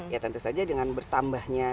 ya tentu saja dengan bertambahnya